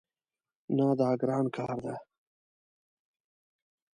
نه، دا ګران کار ده